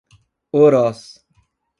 Orós